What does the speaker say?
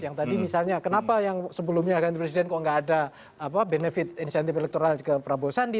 yang tadi misalnya kenapa yang sebelumnya ganti presiden kok gak ada benefit insentif elektoral ke prabowo sandi